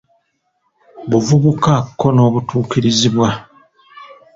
Buvubuka ko n’obutuukirizibwa